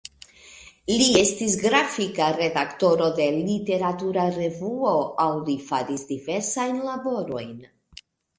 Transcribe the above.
Li estis grafika redaktoro de literatura revuo aŭ li faris diversajn laborojn.